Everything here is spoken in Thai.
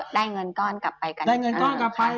ได้เงินก้อนกลับไปกัน